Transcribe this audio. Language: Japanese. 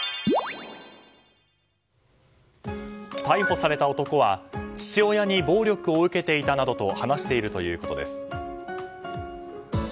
逮捕された男は父親に暴力を受けていたなどと話しているということです。